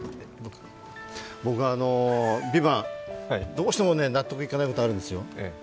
僕、「ＶＩＶＡＮＴ」どうしても納得いかないことがあるんですよ。